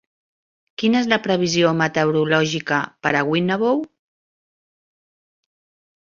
Quina és la previsió meteorològica per a Winnabow?